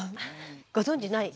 ご存じない。